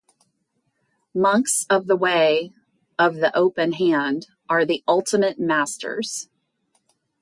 Monks of the Way of the Open Hand are the ultimate masters